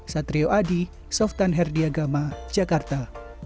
satrio adi softan herdiagama jakarta